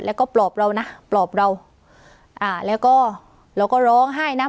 แล้วก็ปลอบเรานะปลอบเราอ่าแล้วก็เราก็ร้องไห้นะ